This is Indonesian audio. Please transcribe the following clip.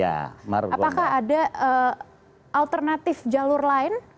apakah ada alternatif jalur lain